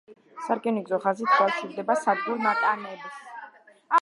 სარკინიგზო ხაზით უკავშირდება სადგურ ნატანებს.